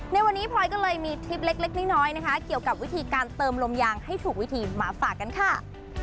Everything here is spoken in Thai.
ในวันนี้พลอยก็เลยมีทริปเล็กน้อยนะคะเกี่ยวกับวิธีการเติมลมยางให้ถูกวิธีมาฝากกันค่ะ